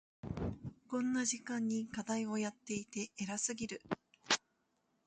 こんな時間に課題をやっていて偉すぎる。